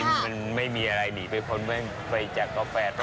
มันไม่มีอะไรดีเพราะมันไปจากกาแฟโรคเทพ